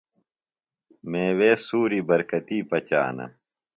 میوے سُوری برکتی پچانہ۔